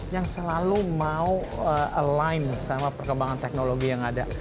yang selalu mau aligned sama perkembangan teknologi yang ada